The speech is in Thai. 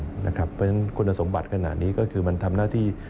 เพราะฉะนั้นคุณสมบัติขนาดนี้ก็คือมันทำหน้าที่